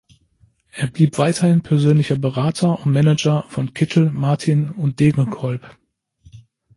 Er blieb weiterhin persönlicher Berater und Manager von Kittel, Martin und Degenkolb.